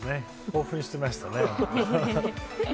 興奮していましたね。